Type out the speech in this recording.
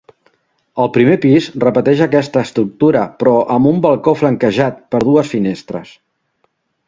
El primer pis repeteix aquesta estructura però amb un balcó flanquejat per dues finestres.